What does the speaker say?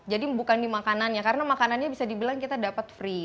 jadi bukan di makanannya karena makanannya bisa dibilang kita dapat free